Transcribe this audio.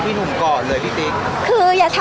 พี่ตอบได้แค่นี้จริงค่ะ